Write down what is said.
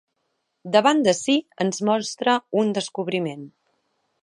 Davant d'ací ens mostra un descobriment.